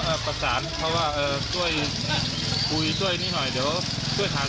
ก็ประสานเขาว่าเออช่วยช่วยนี่หน่อยเดี๋ยวเป็นใหญ่